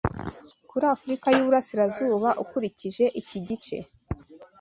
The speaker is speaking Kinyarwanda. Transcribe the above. kuri Afrika yuburasirazuba ukurikije iki gice